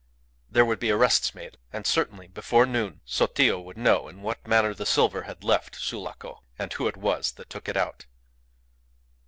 There would be arrests made, and certainly before noon Sotillo would know in what manner the silver had left Sulaco, and who it was that took it out.